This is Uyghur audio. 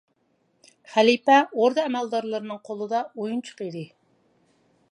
خەلىپە ئوردا ئەمەلدارلىرىنىڭ قولىدا ئويۇنچۇق ئىدى.